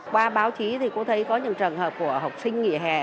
qua báo chí thì cô thấy có những trường hợp của học sinh nghỉ hè